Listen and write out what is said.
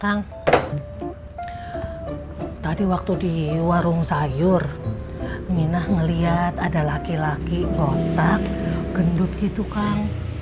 kang tadi waktu di warung sayur minah melihat ada laki laki otak gendut gitu kang